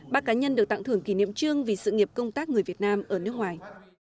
ba cá nhân được tặng thưởng kỷ niệm trương vì sự nghiệp công tác người việt nam ở nước ngoài